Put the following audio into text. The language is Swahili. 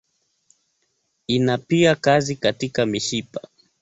Ina pia kazi katika mishipa.